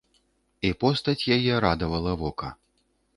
І постаць яе радавала вока.